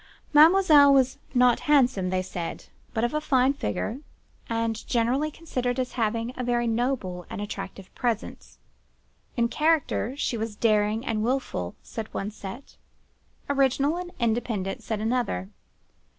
Mademoiselle was not handsome, they said; but of a fine figure, and generally considered as having a very noble and attractive presence. In character she was daring and wilful (said one set); original and independent (said another).